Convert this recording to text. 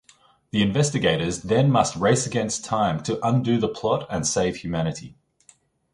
The investigators then must race against time to undo the plot and save humanity.